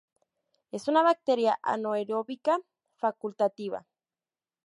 Es una bacteria anaeróbica facultativa.